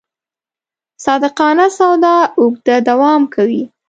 صادقانه سودا اوږده دوام کوي.